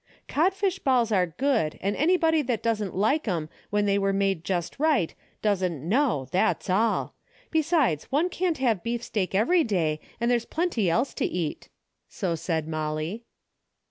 " Codfish balls are good, and anybody that doesn't like 'em when they are made just right doesn't know, that's all. Besides one can't liave beefsteak every day and there's plenty else to eat." So said Molly.